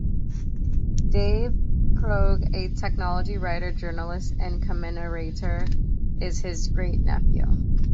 David Pogue, a technology writer, journalist and commentator, is his great nephew.